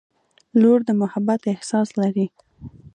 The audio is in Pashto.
• لور د محبت احساس لري.